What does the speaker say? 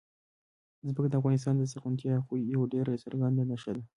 ځمکه د افغانستان د زرغونتیا یوه ډېره څرګنده نښه ده.